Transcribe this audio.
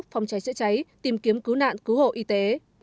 phòng cháy chữa cháy tìm kiếm cứu nạn cứu hộ y tế